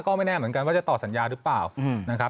ก็ไม่แน่เหมือนกันว่าจะตอบสัญญาหรือเปล่า